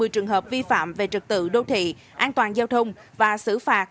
một trăm hai mươi trường hợp vi phạm về trật tự đô thị an toàn giao thông và xử phạt